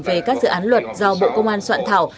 về các dự án luật do bộ công an soạn thảo